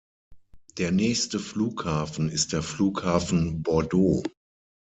Der nächste Flughafen ist der Flughafen Bordeaux.